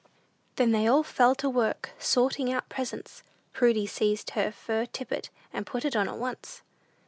Then they all fell to work sorting out presents. Prudy seized her fur tippet, and put it on at once.